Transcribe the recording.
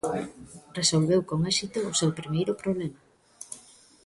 Resolveu con éxito o seu primeiro problema.